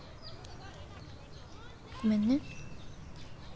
ごめんね。